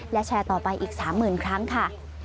และแชร์ต่อไปอีก๓๐๐๐ครั้งค่ะ